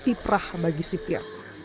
sati perah bagi sipir